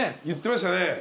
言ってましたね。